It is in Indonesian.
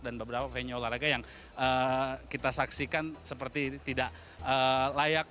beberapa venue olahraga yang kita saksikan seperti tidak layak